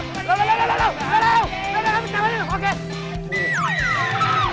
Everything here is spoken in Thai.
เร็วโอเค